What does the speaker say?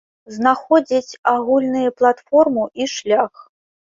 Знаходзіць агульныя платформу і шлях.